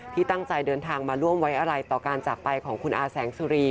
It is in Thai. ที่ตั้งใจเดินทางมาร่วมไว้อะไรต่อการจากไปของคุณอาแสงสุรี